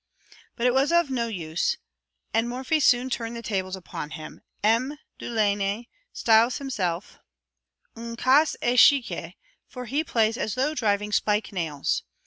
_" But it was all of no use, and Morphy soon turned the tables upon him. M. Delaunay styles himself "un casse échiquier," for he plays as though driving spike nails.